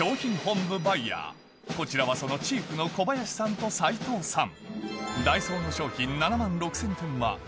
こちらはそのチーフの小林さんと齋藤さん